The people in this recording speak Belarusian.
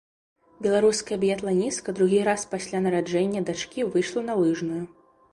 Беларуская біятланістка другі раз пасля нараджэння дачкі выйшла на лыжную.